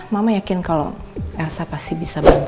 mama yakin kalau elsa pasti bisa bangkit